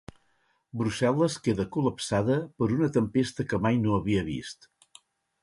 Brussel·les queda col·lapsada per una tempesta que mai no havia vist.